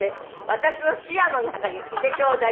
「私の視野の中にいてちょうだい」って。